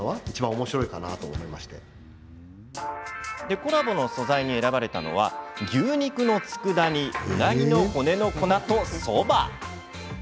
コラボの素材に選ばれたのは牛肉のつくだ煮うなぎの骨の粉とそば。